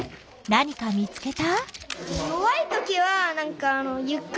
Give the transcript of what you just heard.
何か見つけた？